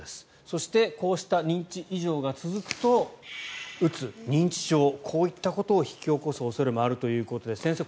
そしてこうした認知異常が続くとうつ、認知症こういったことを引き起こす恐れもあるということで先生